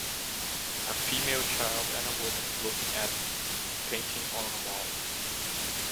A female child and a woman looking at a painting on a wall.